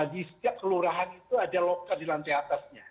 di setiap kelurahan itu ada loka di lantai atasnya